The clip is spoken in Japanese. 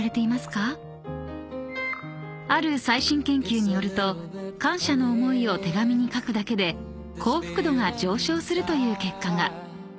［ある最新研究によると感謝の思いを手紙に書くだけで幸福度が上昇するという結果が］